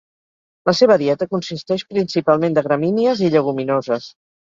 La seva dieta consisteix principalment de gramínies i lleguminoses.